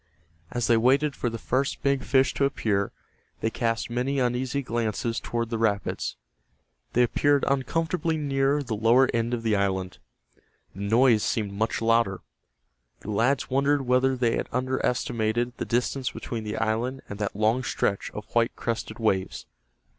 As they waited for the first big fish to appear they cast many uneasy glances toward the rapids. They appeared uncomfortably near the lower end of the island. The noise seemed much louder. The lads wondered whether they had underestimated the distance between the island and that long stretch of white crested waves.